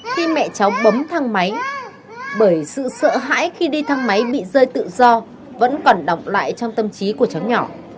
khi mẹ cháu bấm thang máy bởi sự sợ hãi khi đi thang máy bị rơi tự do vẫn còn động lại trong tâm trí của cháu nhỏ